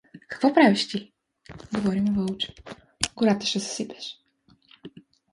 — Какво правиш ти? — говори му Вълчо. — Гората ще съсипеш.